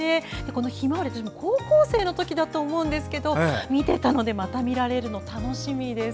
この「ひまわり」高校生のときだと思うんですが見てたのでまた見られるの楽しみです。